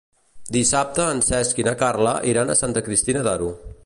Dissabte en Cesc i na Carla iran a Santa Cristina d'Aro.